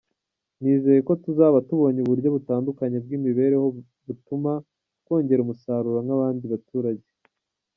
Nizeye ko tuzaba tubonye uburyo butandukanye bw’imibereho bituma twongera umusaruro nk’abandi baturage.